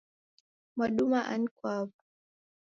Mwaduma ani kwaw'o?